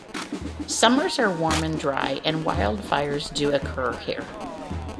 Summers are warm and dry and wildfires do occur here.